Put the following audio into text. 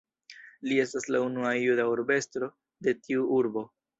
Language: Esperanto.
Li estas la unua juda urbestro de tiu urbo.